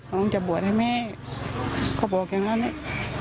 ผมจะบวชให้แม่ก็บอกแค่นั้นเลย